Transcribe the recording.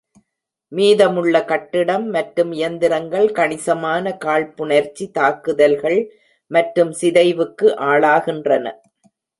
மீதமுள்ள கட்டிடம் மற்றும் இயந்திரங்கள் கணிசமான காழ்ப்புணர்ச்சி தாக்குதல்கள் மற்றும் சிதைவுக்கு ஆளாகின்றன.